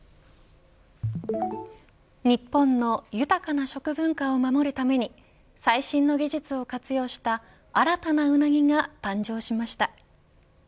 日本の豊かな食文化を守るために最新の技術を活用した新たなうなぎが誕生しました。